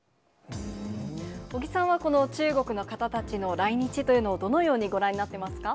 尾木さんはこの中国の方たちの来日というのをどのようにご覧になってますか。